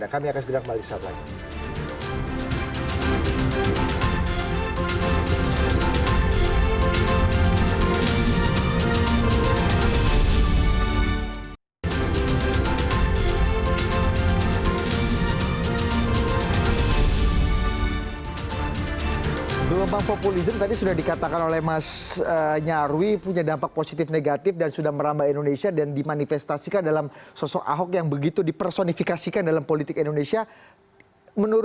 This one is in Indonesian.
kami akan segera kembali sesaat lain